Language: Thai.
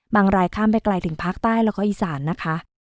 รายข้ามไปไกลถึงภาคใต้แล้วก็อีสานนะคะ